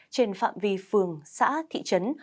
trên phạm vi phường xã thị trấn